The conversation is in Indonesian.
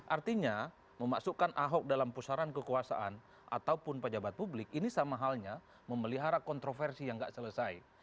artinya memasukkan ahok dalam pusaran kekuasaan ataupun pejabat publik ini sama halnya memelihara kontroversi yang tidak selesai